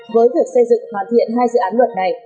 với việc xây dựng hoàn thiện hai dự án luật này